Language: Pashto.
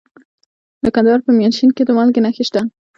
د کندهار په میانشین کې د مالګې نښې شته.